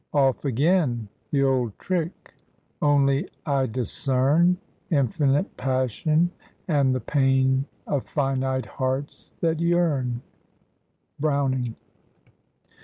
Off again! The old trick! Only I discern Infinite passion and the pain Of finite hearts that yearn." BROWNING.